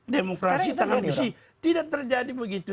demokrasi tangan besi tidak terjadi begitu